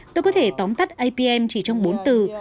tôi có thể tóm tắt apm chỉ trong bốn từ